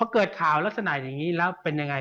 เกิดข่าวลักษณะอย่างนี้แล้วเป็นยังไง